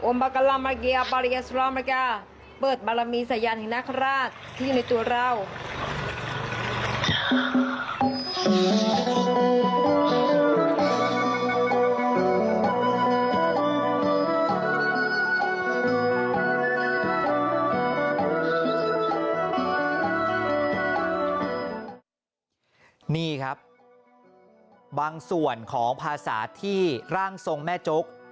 นี่ครับบางส่วนของภาษาที่ร่างทรงแม่จุ๊ก